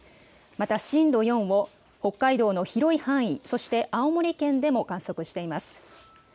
また震度４を北海道の広い範囲、そして青森県でも観測しています。